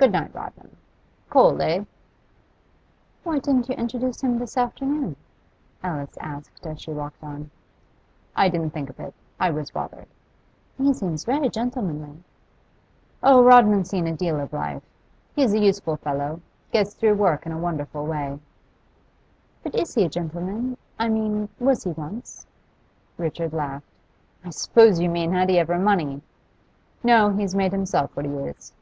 Good night, Rodman. Cold, eh?' 'Why didn't you introduce him this afternoon?' Alice asked as she walked on. 'I didn't think of it I was bothered.' 'He seems very gentlemanly.' 'Oh, Rodman's seen a deal of life. He's a useful fellow gets through work in a wonderful way.' 'But is he a gentleman? I mean, was he once?' Richard laughed. 'I suppose you mean, had he ever money? No, he's made himself what he is.